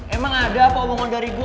emang ada apa omongan dari bu